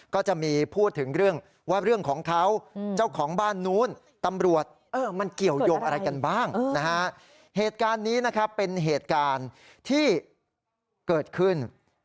ก็จะมีพูดถึงเรื่องว่าเรื่องของเขาเจ้าของบ้านนู้น